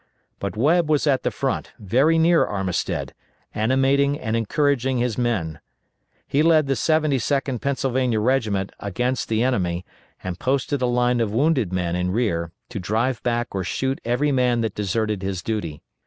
But Webb was at the front, very near Armistead, animating and encouraging his men. He led the 72d Pennsylvania regiment against the enemy, and posted a line of wounded men in rear to drive back or shoot every man that deserted his duty.